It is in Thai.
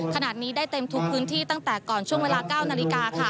ขณะนี้ได้เต็มทุกพื้นที่ตั้งแต่ก่อนช่วงเวลา๙นาฬิกาค่ะ